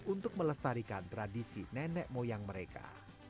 untuk melestarikan tradisi nenek moyang mereka